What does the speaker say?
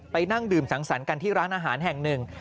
นั่งดื่มสังสรรค์กันที่ร้านอาหารแห่งหนึ่ง